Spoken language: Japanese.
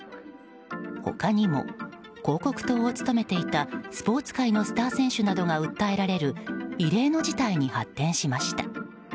他にも、広告塔を務めていたスポーツ界のスター選手などが訴えられる異例の事態に発展しました。